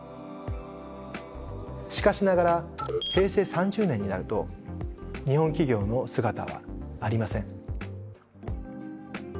しかしながら平成３０年になると日本企業の姿はありません。